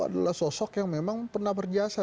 adalah sosok yang memang pernah berjasa